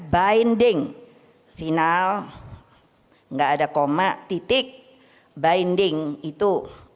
binding final nggak ada koma titik binding itu